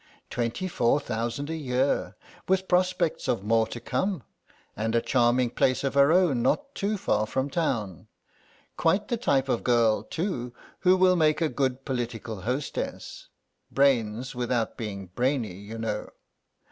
Twenty four thousand a year, with prospects of more to come, and a charming place of her own not too far from town. Quite the type of girl, too, who will make a good political hostess, brains without being brainy, you know.